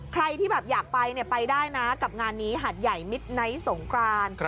ใครที่แบบอยากไปไปได้นะกับงานนี้หัดใหญ่มิดไนท์สงกราน